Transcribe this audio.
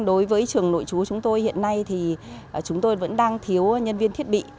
đối với trường nội chú chúng tôi hiện nay thì chúng tôi vẫn đang thiếu nhân viên thiết bị